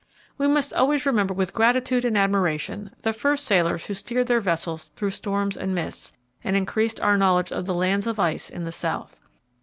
We must always remember with gratitude and admiration the first sailors who steered their vessels through storms and mists, and increased our knowledge of the lands of ice in the South.